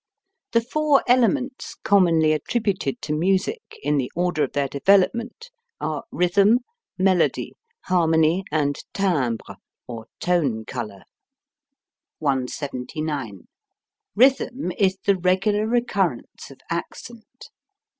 The four elements commonly attributed to music (in the order of their development) are: Rhythm, Melody, Harmony, and Timbre (or tone color). 179. Rhythm is the regular recurrence of accent.